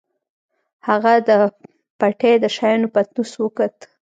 هغه د پټۍ د شيانو پتنوس وکوت.